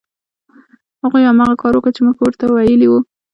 هغوی هماغه کار وکړ چې مور یې ورته ویلي وو